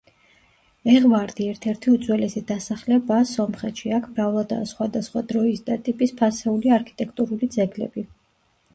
ეღვარდი ერთ-ერთი უძველესი დასახლებაა სომხეთში, აქ მრავლადაა სხვადასხვა დროის და ტიპის ფასეული არქიტექტურული ძეგლები.